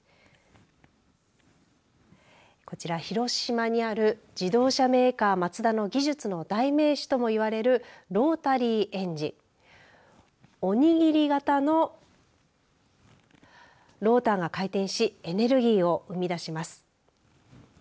こちら広島にある自動車メーカーマツダの技術の代名詞ともいわれるロータリーエンジンお握り型のローターが回転しエネルギーを生み出します。